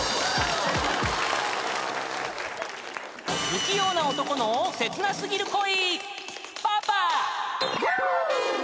［不器用な男の切な過ぎる恋］